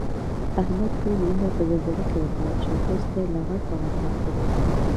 احمد ټول ورڼه په زلزله کې وفات شول. اوس دی لغړ پغړ پاتې دی